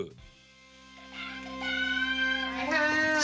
สวัสดีค่ะ